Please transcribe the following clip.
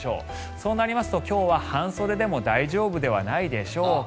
そうなりますと今日は半袖でも大丈夫じゃないでしょうか。